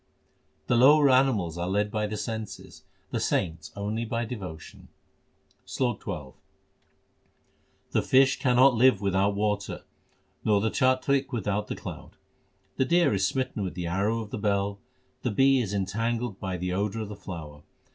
The lower animals are led by their senses, the saints only by devotion : SLOK XII The fish cannot live without water, nor the chatrik with out the cloud ; The deer is smitten with the arrow of the bell ; the bee is entangled by the odour of the flower.